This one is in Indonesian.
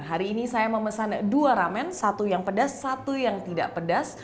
hari ini saya memesan dua ramen satu yang pedas satu yang tidak pedas